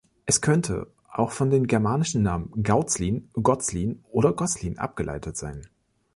Es könnte auch von den germanischen Namen Gauzlin, Gozlin oder Goslin abgeleitet sein.